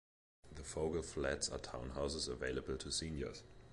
The Fogle Flats are townhouses available to seniors.